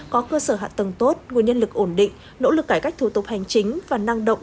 có cơ sở hạ tầng tốt nguồn nhân lực ổn định nỗ lực cải cách thủ tục hành chính và năng động